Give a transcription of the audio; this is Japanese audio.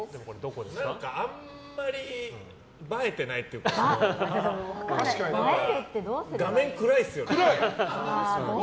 あんまり映えてないっていうか画面暗いですよね。